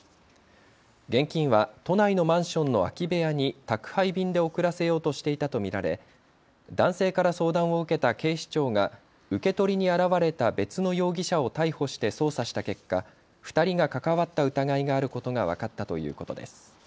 現金は都内のマンションの空き部屋に宅配便で送らせようとしていたと見られ男性から相談を受けた警視庁が受け取りに現れた別の容疑者を逮捕して捜査した結果２人が関わった疑いがあることが分かったということです。